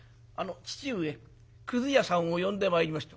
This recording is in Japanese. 「父上くず屋さんを呼んでまいりました」。